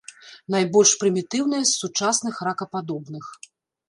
Найбольш прымітыўныя з сучасных ракападобных.